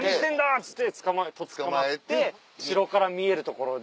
っつってとっ捕まって城から見えるところで。